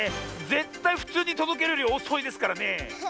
ぜったいふつうにとどけるよりおそいですからね。